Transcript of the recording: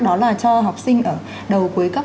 đó là cho học sinh ở đầu cuối cấp